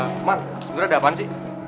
roman lu ada apaan sih